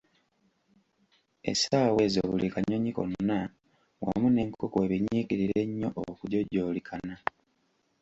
Essaawa ezo buli kanyonyi konna wamu n'enkoko we binyiikirira ennyo okujojoolikana.